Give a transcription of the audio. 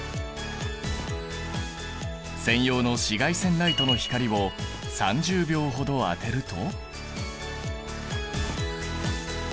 専用の紫外線ライトの光を３０秒ほど当てると。